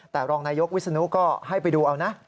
แต่รองนายกวิศนุก็ให้ไปดูเอานะ